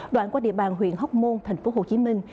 đoạn qua địa bàn huyện hóc môn thành phố hồ chí minh